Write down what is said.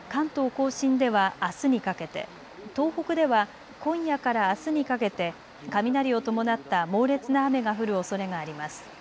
甲信では、あすにかけて東北では、今夜からあすにかけて雷を伴った猛烈な雨が降るおそれがあります。